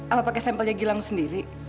apa pakai sampelnya gilang sendiri